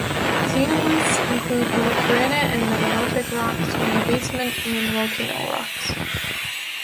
Xenoliths include both granite and metamorphic rocks from the basement and volcanic rocks.